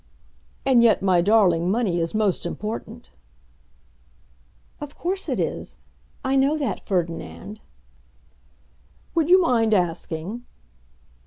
"And yet, my darling, money is most important." "Of course it is. I know that, Ferdinand." "Would you mind asking?"